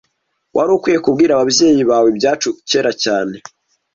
Wari ukwiye kubwira ababyeyi bawe ibyacu kera cyane. .